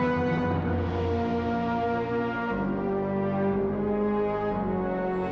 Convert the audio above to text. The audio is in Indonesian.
minus sajaration pengubah la pdka